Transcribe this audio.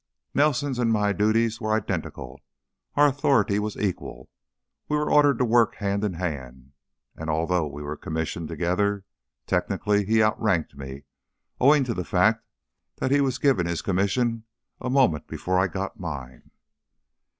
"Nelson's and my duties were identical, our authority was equal; we were ordered to work hand in hand, and although we were commissioned together, technically, he outranked me owing to the fact that he was given his commission a moment before I got mine.